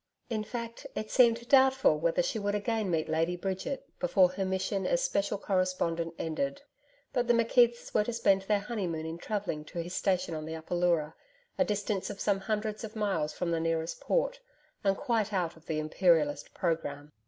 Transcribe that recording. In fact, it seemed doubtful whether she would again meet Lady Bridget before her mission as Special Correspondent ended. But the McKeiths were to spend their honeymoon in travelling to his station on the Upper Leura, a distance of some hundreds of miles from the nearest port, and quite out of THE IMPERIALIST programme.